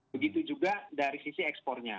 begitu juga dari sisi ekspornya